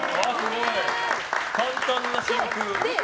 簡単な真空。